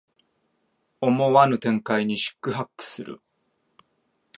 思わぬ展開に四苦八苦する